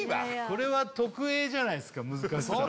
これは特Ａじゃないっすか難しさ相当ムズい